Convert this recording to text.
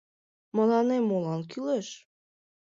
Мыланем молан кӱлеш?